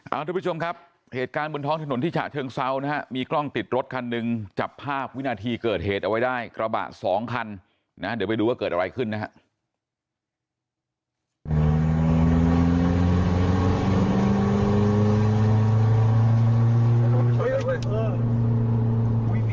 เอาทุกผู้ชมครับเหตุการณ์บนท้องถนนที่ฉะเชิงเซานะฮะมีกล้องติดรถคันหนึ่งจับภาพวินาทีเกิดเหตุเอาไว้ได้กระบะสองคันนะเดี๋ยวไปดูว่าเกิดอะไรขึ้นนะฮะ